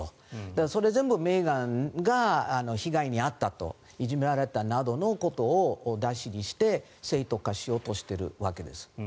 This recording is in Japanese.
それ全部メーガンが被害に遭ったといじめられたなどのことをだしにして正当化しようとしているわけです。